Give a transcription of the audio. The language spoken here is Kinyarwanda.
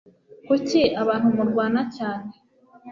kuki abantu murwana cyane